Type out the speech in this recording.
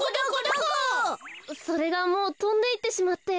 それがもうとんでいってしまって。